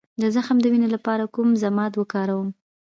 د زخم د وینې لپاره کوم ضماد وکاروم؟